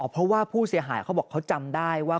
เพราะว่าผู้เสียหายเขาบอกเขาจำได้ว่า